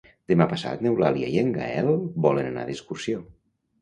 Demà passat n'Eulàlia i en Gaël volen anar d'excursió.